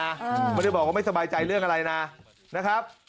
ไม่ได้บอกว่าไม่สบายใจเรื่องอะไรนะนะครับ